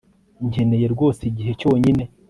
Nkeneye rwose igihe cyonyine